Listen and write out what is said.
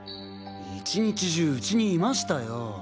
一日中うちにいましたよ。